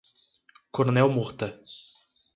Coronel Murta